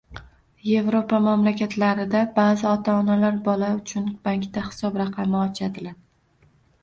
Yevropa mamlakatlarida ba’zi ota-onalar bola uchun bankda hisob raqami ochadilar.